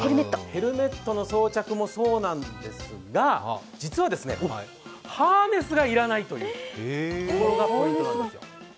ヘルメットの装着もそうなんですが、ハーネスが要らないということがポイントなんです。